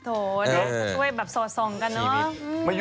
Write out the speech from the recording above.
โอ้โฮด้วยแบบโสดส่งกันเนอะ